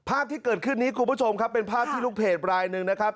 ภาพที่เกิดขึ้นนี้คุณผู้ชมครับเป็นภาพที่ลูกเพจรายหนึ่งนะครับ